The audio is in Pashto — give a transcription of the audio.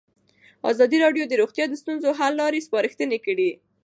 ازادي راډیو د روغتیا د ستونزو حل لارې سپارښتنې کړي.